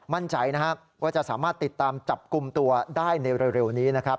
มั่นใจนะครับว่าจะสามารถติดตามจับกลุ่มตัวได้ในเร็วนี้นะครับ